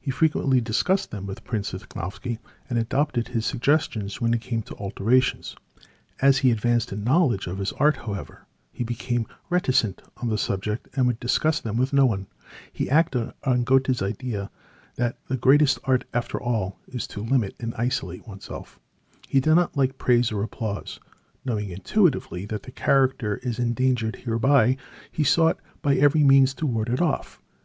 He frequently discussed them with Prince Lichnowsky, and adopted his suggestions when it came to alterations. As he advanced in knowledge of his art, however, he became reticent on the subject and would discuss them with no one. He acted on Goethe's idea that "the greatest art after all is to limit and isolate oneself." He did not like praise or applause. Knowing intuitively that the character is endangered thereby, he sought by every means to ward it off.